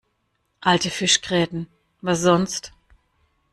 Alte Fischgräten, was sonst?